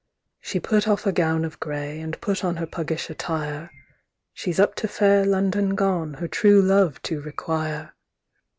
VIShe put off her gown of gray, And put on her puggish attire; She's up to fair London gone, Her true love to require.